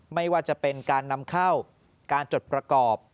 ไม่ว่าจะเป็นการนำเข้าการจดประกอบ